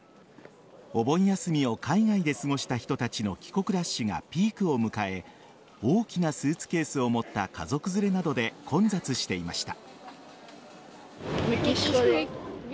お盆休みを海外で過ごした人たちの帰国ラッシュがピークを迎え大きなスーツケースを持った家族連れなどで混雑していました。